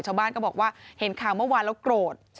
ชาวบ้านก็บอกว่าเห็นข่าวเมื่อวานแล้วโกรธ